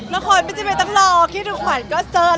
แล้วคนไม่จริงต้องรอคิดถึงขวัดก็เสิร์ฟ